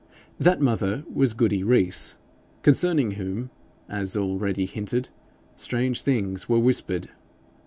That mother was Goody Rees, concerning whom, as already hinted, strange things were whispered.